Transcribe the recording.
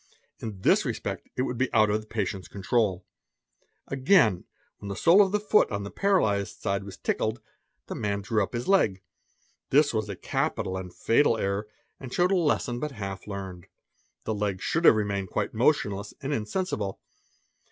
In this respect it would be _ out of the patient's control. Again, when the sole of the foot on the paralized side was tickled the man drew up his leg. This was a capital 'ee and fatal error, and showed a lesson but half learned. The leg should at ave remained quite motionless and insensible.